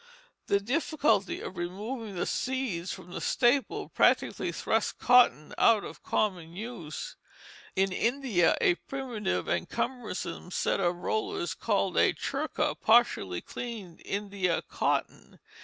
The difficulty of removing the seeds from the staple practically thrust cotton out of common use. In India a primitive and cumbersome set of rollers called a churka partially cleaned India cotton.